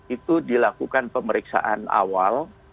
itu dilakukan pemeriksaan awal